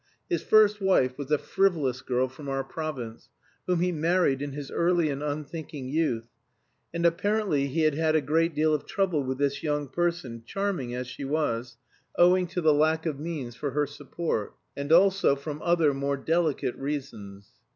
His first wife was a frivolous girl from our province, whom he married in his early and unthinking youth, and apparently he had had a great deal of trouble with this young person, charming as she was, owing to the lack of means for her support; and also from other, more delicate, reasons.